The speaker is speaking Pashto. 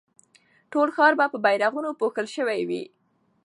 ټول ښار به په بيرغونو پوښل شوی وي.